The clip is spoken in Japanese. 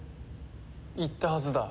言ったはずだ。